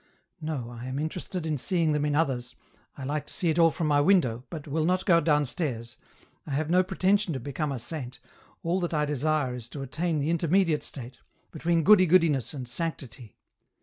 No, I am interested in seeing them in others, I like to see it all from my window, but will not go downstairs, I have no pretension to become a saint, all that I desire is to attain the intermediate state, between goody goodiness and sanctity.